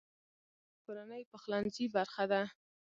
پیاز د کورنۍ پخلنځي برخه ده